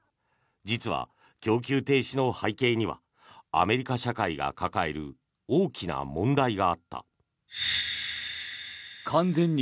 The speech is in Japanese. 実は供給停止の背景にはアメリカ社会が抱える大きな問題があった。